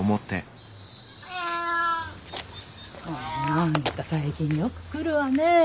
あんた最近よく来るわねえ。